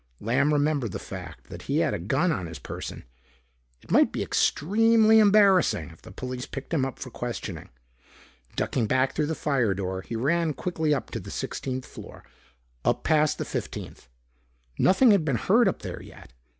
Lamb remembered the fact that he had a gun on his person. It might be extremely embarrassing if the police picked him up for questioning. Ducking back through the firedoor, he ran quickly up to the sixteenth floor, up past the fifteenth. Nothing had been heard up there yet.